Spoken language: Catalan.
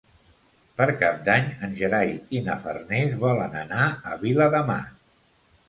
Per Cap d'Any en Gerai i na Farners volen anar a Viladamat.